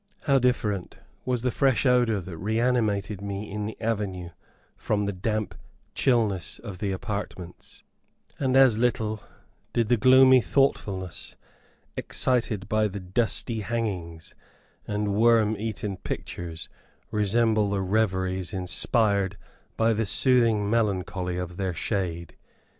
How different was the fresh odour that reanimated me in the avenue, from the damp chillness of the apartments; and as little did the gloomy thoughtfulness excited by the dusty hangings, and worm eaten pictures, resemble the reveries inspired by the soothing melancholy of their shade.